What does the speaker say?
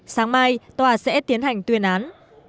sáng mai tòa sẽ tiến hành tuyên án